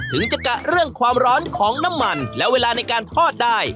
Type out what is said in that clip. ถึงจะกะเรื่องความร้อนของน้ำมันและเวลาในการทอดได้